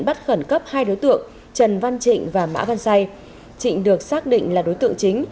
bắt khẩn cấp hai đối tượng trần văn trịnh và mã văn say trịnh được xác định là đối tượng chính